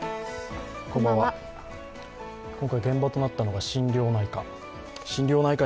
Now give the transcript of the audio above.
今回現場となったのが心療内科。